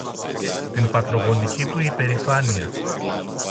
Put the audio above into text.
την πατρογονική του υπερηφάνεια